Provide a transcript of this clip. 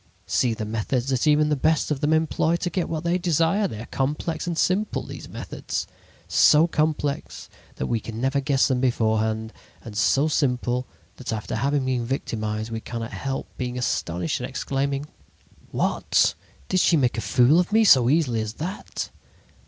"See the methods that even the best of them employ to get what they desire. They are complex and simple, these methods. So complex that we can never guess at them beforehand, and so simple that after having been victimized we cannot help being astonished and exclaiming: 'What! Did she make a fool of me so easily as that?'